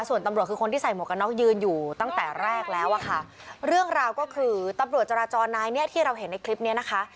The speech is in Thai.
ส่วนตำรวจคือคนที่ใส่หมวกกันน็อกยืนอยู่ตั้งแต่แรกแล้วอะค่ะเรื่องราวก็คือตำรวจจราจรนายเนี้ยที่เราเห็นในคลิปเนี้ยนะคะ